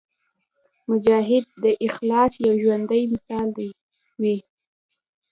مجاهد د اخلاص یو ژوندی مثال وي.